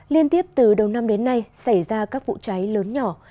liên tiếp từ đầu năm đến nay xảy ra các vụ cháy lớn nhỏ